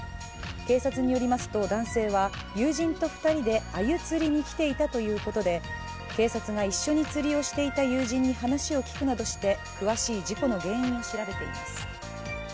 警察によりますと、男性は友人と２人であゆ釣りに来ていたということで警察が一緒に釣りをしていた友人に話を聞くなどして詳しい事故の原因を調べています。